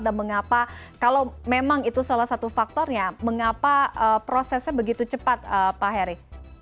dan mengapa kalau memang itu salah satu faktornya mengapa prosesnya begitu cepat pak heri